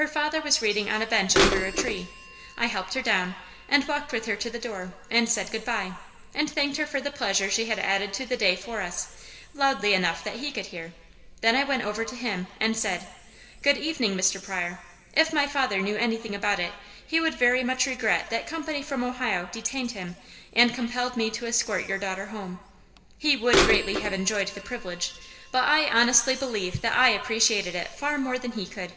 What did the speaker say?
Her father was reading on a bench under a tree. I helped her down, and walked with her to the door and said good bye, and thanked her for the pleasure she had added to the day for us, loudly enough that he could hear; then I went over to him and said: 'Good evening, Mr. Pryor. If my father knew anything about it, he would very much regret that company from Ohio detained him and compelled me to escort your daughter home. He would greatly have enjoyed the privilege, but I honestly believe that I appreciated it far more than he could.'"